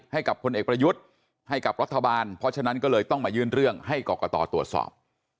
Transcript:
ให้กับคนเอกประยุทธ์ให้กับรัฐบาลเพราะฉะนั้นก็เลยต้องมายื่นเรื่องให้กรกตตรวจสอบ